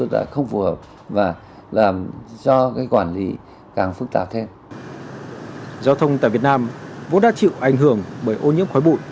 vốn đã chịu ảnh hưởng bởi ô nhiễm khói bụi